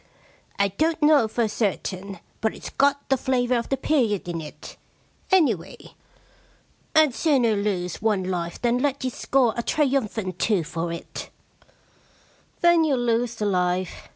* I don't know for certain, but it's got the flavour of the period in it. Anyway, I'd sooner lose one life than let you score a triumphant two for it.' 133 The Problem Club * Then you*ll lose the life.